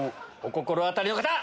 お心当たりの方！